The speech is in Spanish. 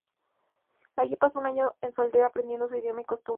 Allí pasó un año en su aldea, aprendiendo su idioma y costumbres.